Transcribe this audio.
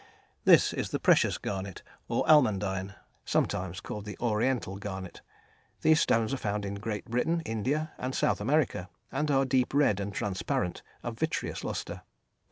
This is the "precious" garnet, or almandine, sometimes called the "Oriental" garnet; these stones are found in Great Britain, India, and South America, and are deep red and transparent, of vitreous lustre.